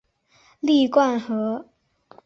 史灌河